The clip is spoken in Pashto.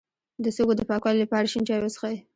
د سږو د پاکوالي لپاره شین چای وڅښئ